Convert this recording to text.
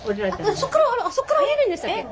あそこから下りるんでしたっけ？